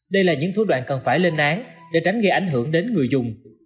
đây là những thủ đoạn cần phải lên án để tránh gây ảnh hưởng đến người dùng